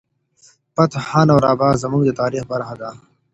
فتح خان او رابعه زموږ د تاریخ برخه ده.